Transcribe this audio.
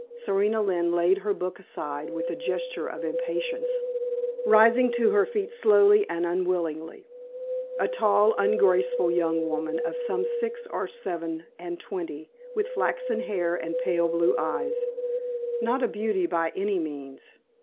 Serena Lynne laid her book aside with a gesture of impatience, rising to her feet slowly and unwillingly. A tall ungraceful young woman of some six or seven and twenty with flaxen hair and pale blue eyes not a beauty by any means.